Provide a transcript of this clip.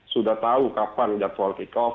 sudah tahu kapan jadwal kick off